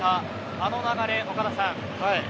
あの流れ、岡田さん。